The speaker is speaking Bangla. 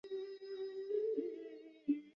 তিনি নয় মাস আহমদ আলী সাহারানপুরির সান্নিধ্যে ছিলেন।